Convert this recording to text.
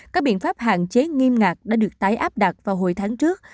các biện pháp hạn chế nghiêm ngặt đã được tái áp đặt vào hồi tháng trước